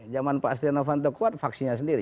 zaman pak astrianovanto kuat faksinya sendiri